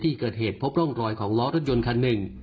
ในที่เกิดเห็นโรงลายล้อของล้อรถยนต์คันหนึ่ง